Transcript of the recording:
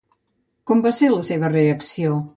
Com va ser la seva reacció?